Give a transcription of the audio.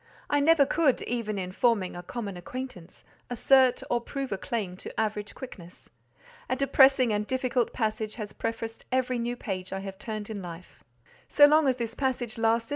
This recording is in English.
I never could, even in forming a common acquaintance, assert or prove a claim to average quickness. A depressing and difficult passage has prefaced every new page I have turned in life. So long as this passage lasted, M.